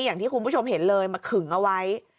อย่างที่คุณผู้ชมเห็นเลยมาขึงเอาไว้